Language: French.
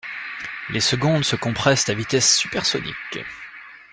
Les secondes se compressent à vitesse supersonique.